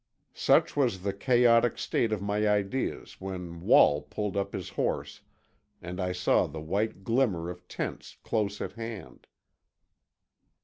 Such was the chaotic state of my ideas when Wall pulled up his horse, and I saw the white glimmer of tents close at hand.